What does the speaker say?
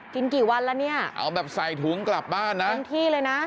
กี่วันแล้วเนี่ยเอาแบบใส่ถุงกลับบ้านนะทั้งที่เลยนะ